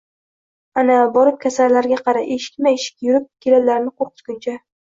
Ana, borib kasallarga qara, eshikma-eshik yurib kelinlarni qo`rqitguncha